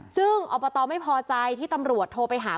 ซึ่งอบตไม่พอใจที่ตำรวจโทรไปหา